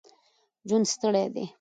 ژوند ستړی دی